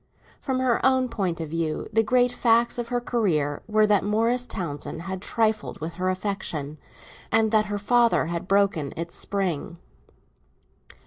From her own point of view the great facts of her career were that Morris Townsend had trifled with her affection, and that her father had broken its spring.